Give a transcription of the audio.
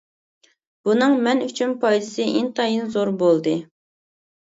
بۇنىڭ مەن ئۈچۈن پايدىسى ئىنتايىن زور بولدى.